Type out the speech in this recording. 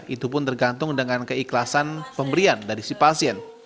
itu pun tergantung dengan keikhlasan pemberian dari si pasien